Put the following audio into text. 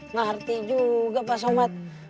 ngerti juga pak somad